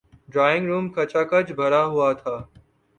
Drawing room کھچا کھچ بھرا ہوا تھا۔